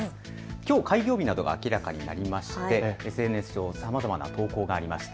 きょう開業日などが明らかになりましてＳＮＳ上さまざまな投稿がありました。